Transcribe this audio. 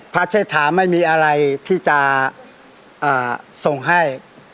เชษฐาไม่มีอะไรที่จะส่งให้